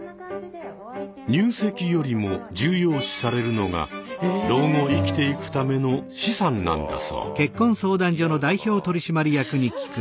入籍よりも重要視されるのが老後生きていくための資産なんだそう。